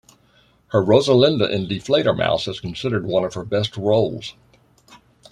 Her Rosalinde in "Die Fledermaus" is considered one of her best roles.